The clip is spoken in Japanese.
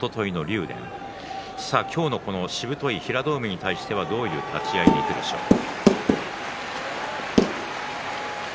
今日の平戸海に対してはどういう立ち合いになるでしょうか。